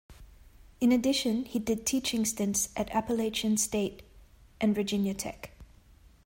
In addition, he did teaching stints at Appalachian State and Virginia Tech.